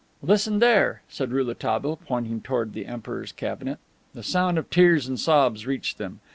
"Listen there," said Rouletabille, pointing toward the Emperor's cabinet. The sound of tears and sobs reached them.